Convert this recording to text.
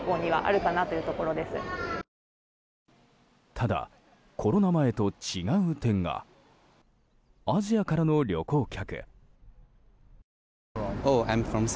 ただ、コロナ前と違う点がアジアからの旅行客。